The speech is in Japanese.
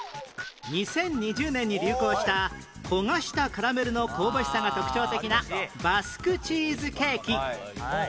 ２０２０年に流行した焦がしたカラメルの香ばしさが特徴的なバスクチーズケーキ